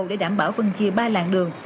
để đảm bảo phân chia ba làng đường